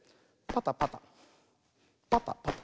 パタパタパタパタ。